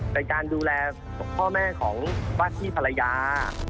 ไปการดูแลพ่อแม่ของวัฒนีภรรยา